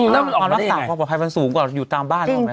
ความรักต่างของประภัยมันสูงกว่าอยู่ตามบ้าน